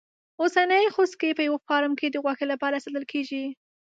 اوسنی خوسکی په یوه فارم کې د غوښې لپاره ساتل کېږي.